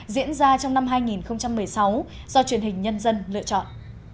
diễn ra trong năm hai nghìn một mươi sáu do truyền hình nhân dân lựa chọn